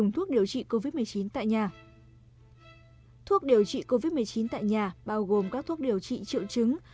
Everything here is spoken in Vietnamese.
thuốc điều trị covid một mươi chín tại nhà bao gồm các thuốc điều trị triệu chứng